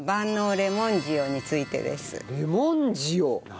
レモン塩。何？